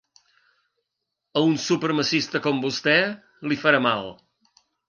A un supremacista com vostè li farà mal.